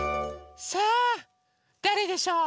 さあだれでしょう？